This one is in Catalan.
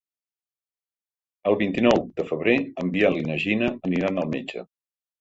El vint-i-nou de febrer en Biel i na Gina aniran al metge.